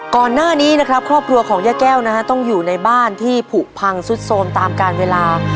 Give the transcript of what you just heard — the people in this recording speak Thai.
ก่อนหน้านี้นะครับครอบครัวของย่าแก้วนะฮะต้องอยู่ในบ้านที่ผูกพังสุดโทรมตามการเวลา